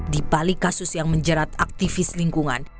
di balik kasus yang menjerat aktivis lingkungan